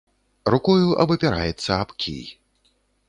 Рукою абапіраецца аб кій.